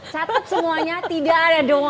satu semuanya tidak ada the one